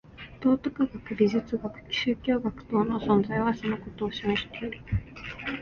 道徳学、芸術学、宗教学等の存在はそのことを示している。